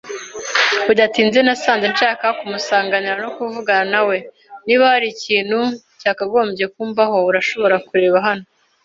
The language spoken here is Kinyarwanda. Bidatinze nasanze nshaka kumusanganira no kuvugana nawe. Niba hari ikintu cyakagombye kumbaho, urashobora kureba hano.